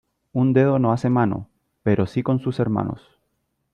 Un dedo no hace mano, pero sí con sus hermanos.